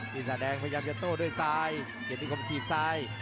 ศาจแดงพยายามจะโต้ด้วยซ้ายเกียรติคมจีบซ้าย